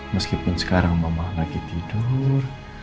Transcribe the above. masa pun sekarang mama lagi tidur